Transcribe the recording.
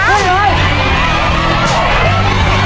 ขึ้นเลย